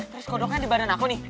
terus kodoknya di badan aku nih